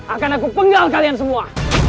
akan aku penggal kalian semua